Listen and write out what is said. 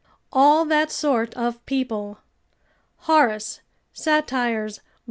["All that sort of people." Horace, Sat., i.